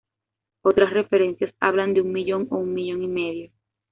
Otras referencias hablan de un millón o un millón y medio.